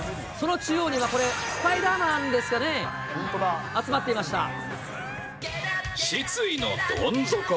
その中央には、これ、スパイダーマンですかね、集まっていました。